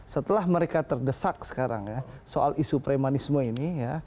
setelah mereka terdesak sekarang ya soal isu premanisme ini ya